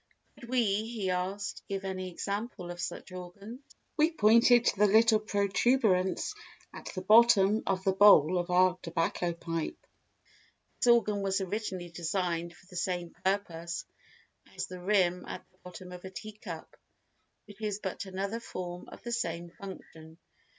Could we, he asked, give any example of such organs? We pointed to the little protuberance at the bottom of the bowl of our tobacco pipe. This organ was originally designed for the same purpose as the rim at the bottom of a tea cup, which is but another form of the same function.